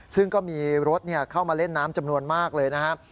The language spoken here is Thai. ซึ่งก็มีรถเข้ามาเล่นน้ำจำนวนมากเลยนะครับ